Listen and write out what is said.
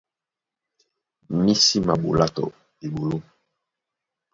Mí sí maɓolá tɔ eɓoló.